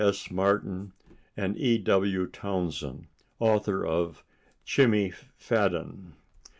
S. Martin and E. W. Townsend, author of "Chimmie Fadden."